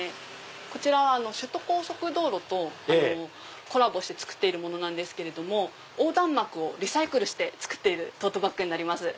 こちら首都高速道路とコラボして作っているものなんですけど横断幕をリサイクルして作ってるトートバッグになります。